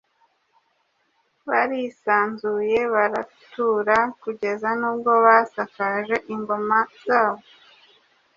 barisanzuye baratura kugeza n’ubwo basakaje ingoma zabo